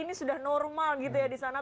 ini sudah normal gitu ya di sana